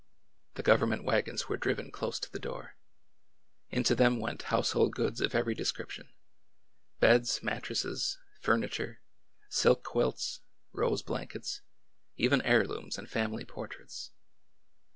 The government wagons were driven close to the door. Into them went household goods of every description beds, mattresses, furniture, silk quilts, rose blankets, even heirlooms and family portraits.